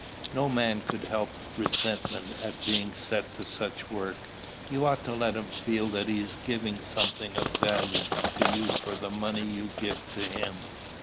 No man could help resentment at being set to such work. You ought to let him feel that he is giving something of value to you for the money you give to him.